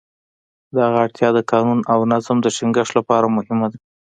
دغه اړتیا د قانون او نظم د ټینګښت لپاره مهمه ده.